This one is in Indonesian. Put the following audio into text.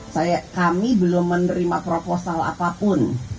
saya kami belum menerima proposal apapun